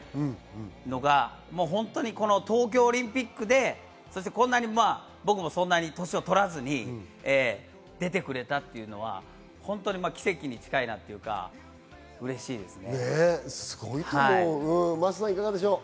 それが東京オリンピックで、そして年を取らずに出てくれたというのは奇跡に近いなというか、嬉しいですね。